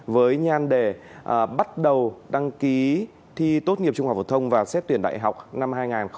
với nhan đề bắt đầu đăng ký thi tốt nghiệp trung học phổ thông và xét tuyển đại học năm hai nghìn hai mươi